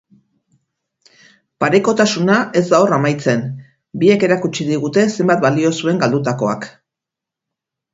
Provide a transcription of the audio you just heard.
Parekotasuna ez da hor amaitzen, biek erakutsi digute zenbat balio zuen galdutakoak.